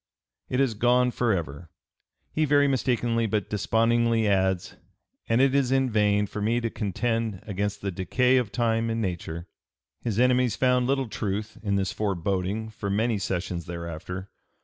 It is gone forever," he very mistakenly but despondingly adds, "and it is in vain for me to contend against (p. 303) the decay of time and nature." His enemies found little truth in this foreboding for many sessions thereafter.